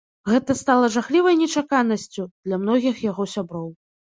Гэта стала жахлівай нечаканасцю для многіх яго сяброў.